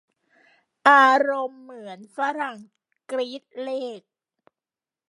อารมณ์เหมือนฝรั่งกรี๊ดเลข